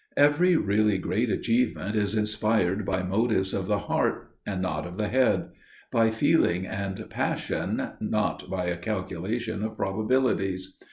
Every really great achievement is inspired by motives of the heart, and not of the head; by feeling and passion, not by a calculation of probabilities.